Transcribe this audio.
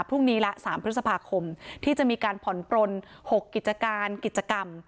พรุ่งนี้ละ๓พฤษภาคมที่จะมีการผ่อนปลน๖กิจการกิจกรรม